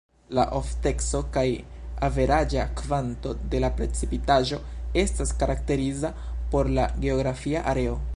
La ofteco kaj averaĝa kvanto de la precipitaĵo estas karakteriza por la geografia areo.